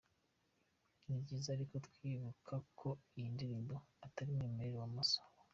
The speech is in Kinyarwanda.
Ni byiza ariko kwibutsa ko iyi ndirimbo atari umwimerere wa Masabo.